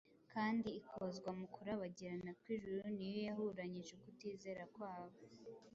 kandi ikozwa mu kurabagirana kw’ijuru, ni yo yahuranyije ukutizera kwabo.